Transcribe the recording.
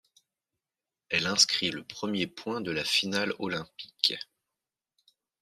Elle inscrit le premier point de la finale olympique.